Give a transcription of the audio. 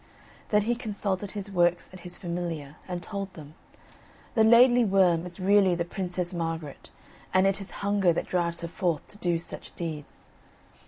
Then he consulted his works and his familiar, and told them: "The Laidly Worm is really the Princess Margaret and it is hunger that drives her forth to do such deeds.